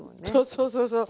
そうそうそう。